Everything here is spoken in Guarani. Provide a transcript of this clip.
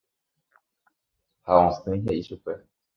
ha osẽ he'i chupe